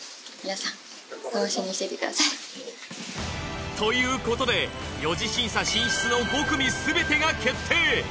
皆さん。ということで四次審査進出の５組すべてが決定！